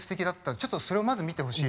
ちょっとそれをまず見てほしい。